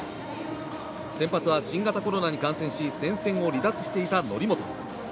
先発は新型コロナに感染し戦線を離脱していた則本。